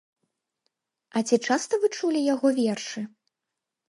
А ці часта вы чулі яго вершы?